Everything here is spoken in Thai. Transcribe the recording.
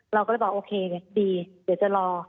เราก็บอกอโอเคเนี่ยดีเดี๋ยวจะรอ